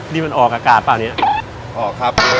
นี่มันออกอากาศป่ะออกครับ